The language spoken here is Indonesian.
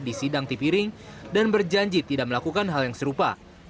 di sidang tipiring dan berjanji tidak melakukan hal yang serupa